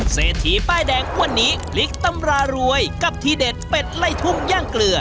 เศรษฐีป้ายแดงวันนี้พลิกตำรารวยกับทีเด็ดเป็ดไล่ทุ่งย่างเกลือ